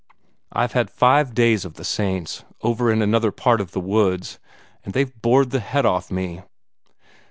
"I've had five days of the saints, over in another part of the woods, and they've bored the head off me."